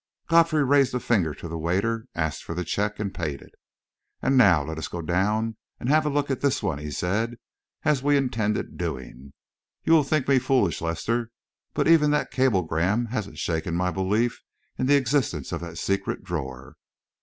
Godfrey raised a finger to the waiter, asked for the check, and paid it. "And now let us go down and have a look at this one," he said, "as we intended doing. You will think me foolish, Lester, but even that cablegram hasn't shaken my belief in the existence of that secret drawer."